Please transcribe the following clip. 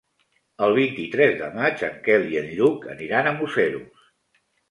El vint-i-tres de maig en Quel i en Lluc aniran a Museros.